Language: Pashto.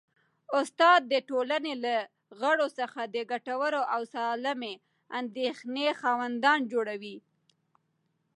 استاد د ټولني له غړو څخه د ګټورو او سالمې اندېښنې خاوندان جوړوي.